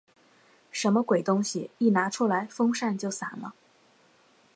什么鬼东西？一拿出来风扇就散了。